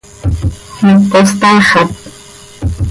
¿Mipos taaxat?